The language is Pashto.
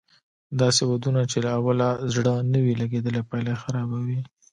داسې ودونه چې له اوله زړه نه وي لګېدلی پايله یې خرابه وي